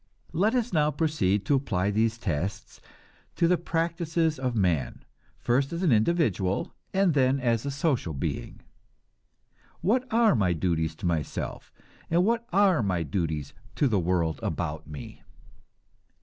Let us now proceed to apply these tests to the practices of man; first as an individual, and then as a social being. What are my duties to myself, and what are my duties to the world about me?